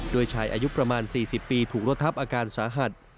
โดยชายอายุประมาณ๔๐ปีถูกรถทับอาการสาหัส